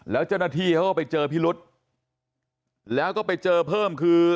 แล้วเจ้าหน้าที่เขาก็ไปเจอพิรุษแล้วก็ไปเจอเพิ่มคือ